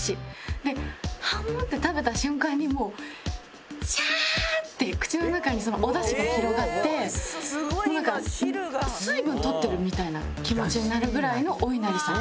でハムッて食べた瞬間にもうシャーッて口の中におダシが広がってなんか水分取ってるみたいな気持ちになるぐらいのおいなりさん。